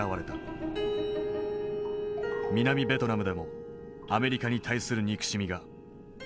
南ベトナムでもアメリカに対する憎しみが拡大した。